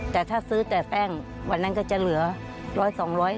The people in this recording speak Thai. แต่ถ้าซื้อแต่แป้งวันนั้นก็จะเหลือร้อยสองร้อย